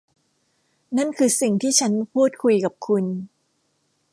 นั่นคือสิ่งที่ฉันมาพูดคุยกับคุณ